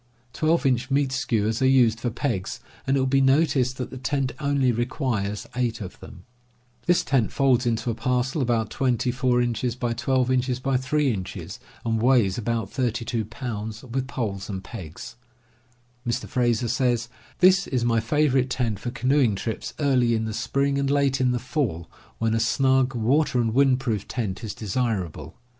Twelve inch meat skewers are used for pegs, and it will be noticed that the tent only requires eight of them. This tent folds into a parcel about 24x12x3 inches, and weighs about 32 pounds, with poles and pegs. Mr. Frazer says: "This is my favorite tent for canoeing trips early in the spring and late in the fall, when a snug water and wind proof tent is desirable.